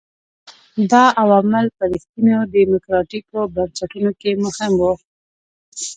دا عوامل په رښتینو ډیموکراټیکو بنسټونو کې مهم وو.